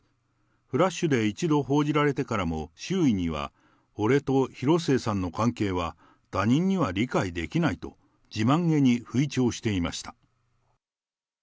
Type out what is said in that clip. フラッシュで一度報じられてからも、周囲には、俺と広末さんの関係は他人には理解できないと、自慢げに吹聴していました。